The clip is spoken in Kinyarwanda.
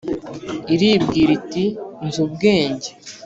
iribwira iti ” nzi ubwenge,